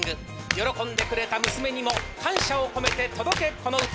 喜んでくれた娘にも感謝を込めて届けこの歌。